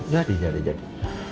jadi jadi jadi